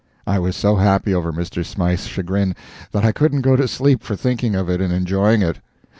I was so happy over Mr. Smythe's chagrin that I couldn't go to sleep for thinking of it and enjoying it.